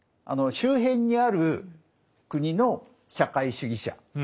周辺にある国の社会主義者。